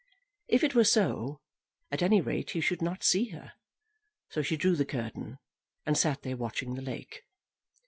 If it were so, at any rate he should not see her, so she drew the curtain, and sat there watching the lake.